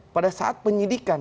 pada saat penyidikan